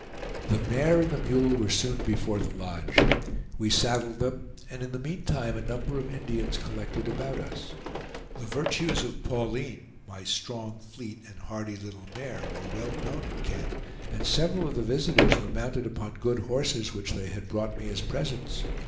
The mare and the mule were soon before the lodge. We saddled them, and in the meantime a number of Indians collected about us. The virtues of Pauline, my strong, fleet, and hardy little mare, were well known in camp, and several of the visitors were mounted upon good horses which they had brought me as presents.